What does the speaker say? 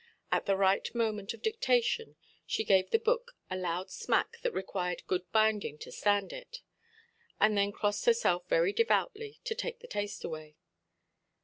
At the right moment of dictation, she gave the book a loud smack that required good binding to stand it, and then crossed herself very devoutly, to take the taste away.